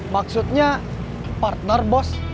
maksudnya partner bos